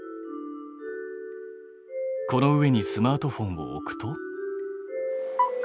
この上にスマートフォンを置くと。